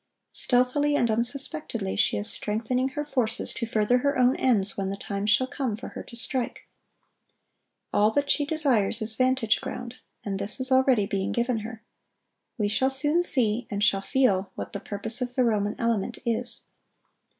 Stealthily and unsuspectedly she is strengthening her forces to further her own ends when the time shall come for her to strike. All that she desires is vantage ground, and this is already being given her. We shall soon see and shall feel what the purpose of the Roman element is.